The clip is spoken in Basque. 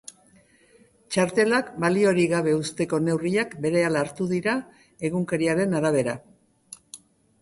Txartela baliorik gabe uzteko neurriak berehala hartu dira, egunkariaren arabera.